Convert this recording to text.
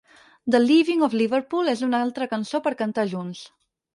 "The Leaving of Liverpool? és una altra cançó per cantar junts.